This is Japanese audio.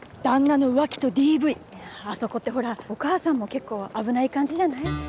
旦那の浮気とＤＶ・あそこってほらお母さんも結構危ない感じじゃない？